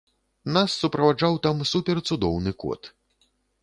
Нас суправаджаў там супер-цудоўны кот.